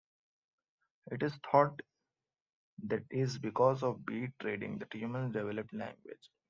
It is thought that is because of bead trading that humans developed language.